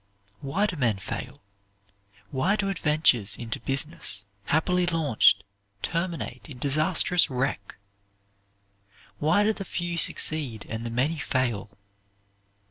Why do men fail? Why do adventures into business, happily launched, terminate in disastrous wreck? Why do the few succeed and the many fail?